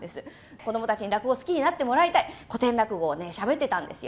子供たちに落語を好きになってもらいたい、古典落語をしゃべっていたんですよ。